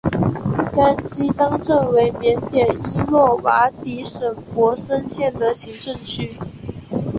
甘基当镇为缅甸伊洛瓦底省勃生县的行政区。